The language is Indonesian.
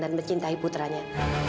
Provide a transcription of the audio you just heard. dan mencintai putranya